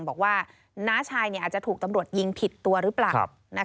บอกว่าน้าชายอาจจะถูกตำรวจยิงผิดตัวหรือเปล่า